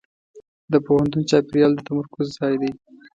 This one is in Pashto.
د پوهنتون چاپېریال د تمرکز ځای دی.